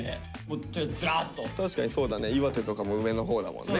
確かにそうだね岩手とかも上の方だもんね。